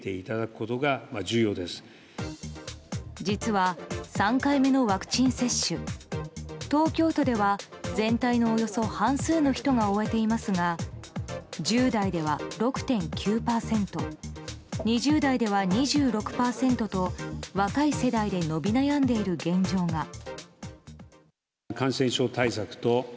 実は、３回目のワクチン接種東京都では全体のおよそ半数の人が終えていますが１０代では６．９％２０代では２６％と若い世代で伸び悩んでいる現状が。